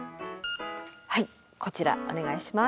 はいこちらお願いします。